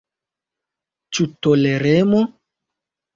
Ĉu toleremo?